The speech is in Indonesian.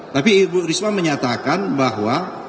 tapi ibu risma menyatakan bahwa